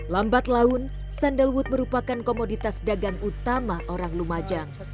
lambat laun sandalwood merupakan komoditas dagang utama orang lumajang